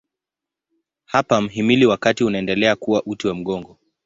Hapa mhimili wa kati unaendelea kuwa uti wa mgongo.